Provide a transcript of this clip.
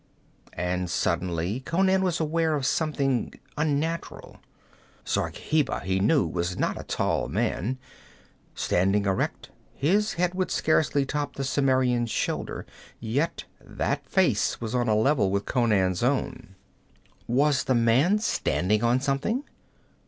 And suddenly Conan was aware of something unnatural. Zargheba, he knew, was not a tall man. Standing erect, his head would scarcely top the Cimmerian's shoulder; yet that face was on a level with Conan's own. Was the man standing on something?